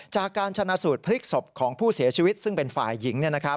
จากการชนะสูตรพลิกศพของผู้เสียชีวิตซึ่งเป็นฝ่ายหญิง